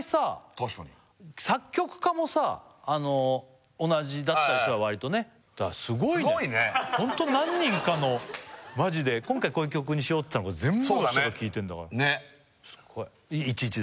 確かに作曲家もさ同じだったり割とねはいはいホント何人かのマジで今回こういう曲にしようってのが全部の人が聴いてんだからねっすごい１−１です